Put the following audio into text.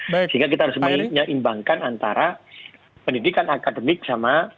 sehingga kita harus menyeimbangkan antara pendidikan akademik sama